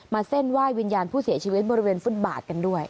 เส้นไหว้วิญญาณผู้เสียชีวิตบริเวณฟุตบาทกันด้วย